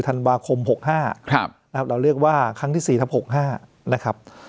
ธันวาคมหกห้าครับครับเราเรียกว่าครั้งที่สี่ทับหกห้านะครับ